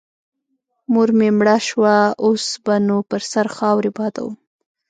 مور مې مړه سوه اوس به نو پر سر خاورې بادوم.